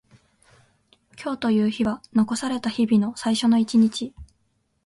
今日という日は残された日々の最初の一日。